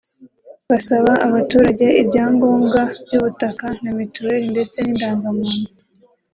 basaba abaturage ibyangombwa by’ubutaka na mituelle ndetse n’indangamuntu